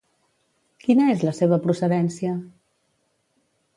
Quina és la seva procedència?